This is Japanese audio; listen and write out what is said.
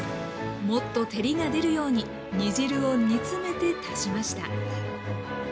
もっと照りが出るように煮汁を煮詰めて足しました